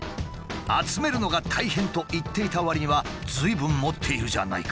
集めるのが大変と言っていたわりにはずいぶん持っているじゃないか。